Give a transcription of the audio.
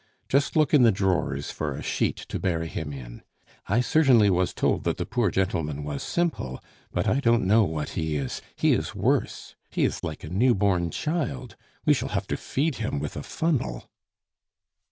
Just look in the drawers for a sheet to bury him in. I certainly was told that the poor gentleman was simple, but I don't know what he is; he is worse. He is like a new born child; we shall have to feed him with a funnel."